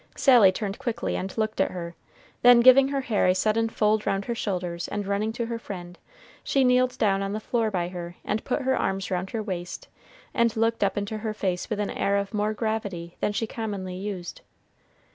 Sally turned quickly and looked at her, then giving her hair a sudden fold round her shoulders, and running to her friend, she kneeled down on the floor by her, and put her arms round her waist, and looked up into her face with an air of more gravity than she commonly used.